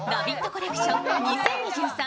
コレクション２０２３